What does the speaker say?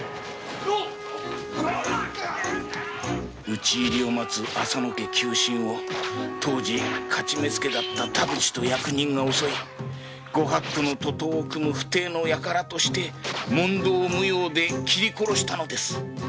討ち入りを待つ浅野家旧臣を当時「徒目付」だった田淵と役人が襲いご法度の徒党を組む不逞の輩として問答無用で切り殺したのです。